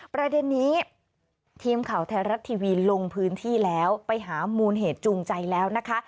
ประเด็นนี้ทีมข่าวไทยรัฐทีวีลงพื้นที่แล้วไปหามูลเหตุจูงใจแล้วนะคะ